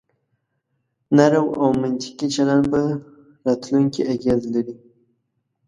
نرم او منطقي چلن په راتلونکي اغیز لري.